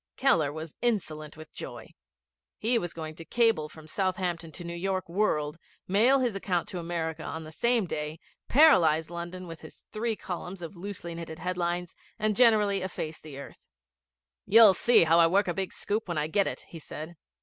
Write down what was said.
Keller was insolent with joy. He was going to cable from Southampton to the New York World, mail his account to America on the same day, paralyse London with his three columns of loosely knitted headlines, and generally efface the earth. 'You'll see how I work a big scoop when I get it,' he said.